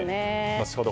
後ほど